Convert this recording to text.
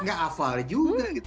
gak afal juga gitu